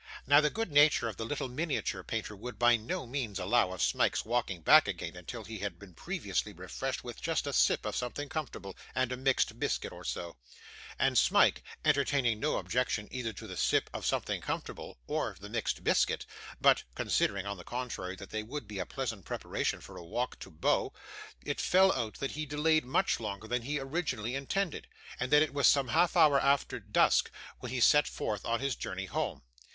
Now, the good nature of the little miniature painter would by no means allow of Smike's walking back again, until he had been previously refreshed with just a sip of something comfortable and a mixed biscuit or so; and Smike, entertaining no objection either to the sip of something comfortable, or the mixed biscuit, but, considering on the contrary that they would be a very pleasant preparation for a walk to Bow, it fell out that he delayed much longer than he originally intended, and that it was some half hour after dusk when he set forth on his journey home.